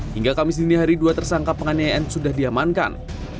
hingga kamis dinihari dua tersangka penganiayaan sudah diamankan